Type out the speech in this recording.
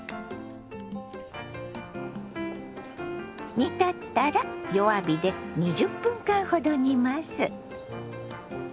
煮立ったら弱火で２０分間ほど煮ます。